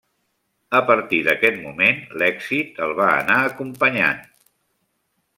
A partir d'aquest moment l'èxit el va anar acompanyant.